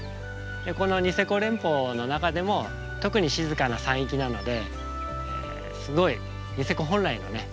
このニセコ連峰の中でも特に静かな山域なのですごいニセコ本来のね